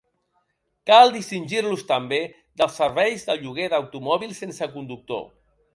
Cal distingir-los també dels serveis de lloguer d'automòbils sense conductor.